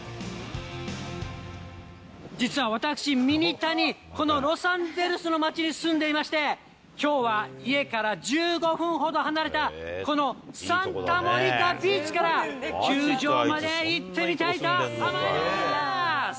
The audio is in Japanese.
実は私、ミニタニ、このロサンゼルスの街に住んでいまして、きょうは家から１５分ほど離れた、このサンタモニカビーチから球場まで行ってみたいと思います。